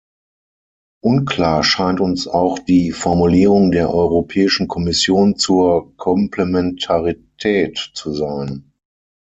Unklar scheint uns auch die Formulierung der Europäischen Kommission zur Komplementarität zu sein.